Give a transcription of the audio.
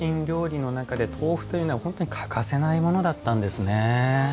料理の中で豆腐というのは本当に欠かせないものだったんですね。